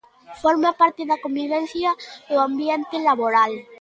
Forma parte da convivencia, do ambiente laboral.